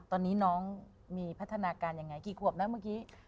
ตอนนี้น้องมีพัฒนาการยังไงกี่ขวบแล้วเมื่อกี้